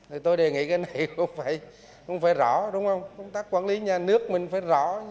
thì tôi đề nghị cái này không phải rõ đúng không công tác quản lý nhà nước mình phải rõ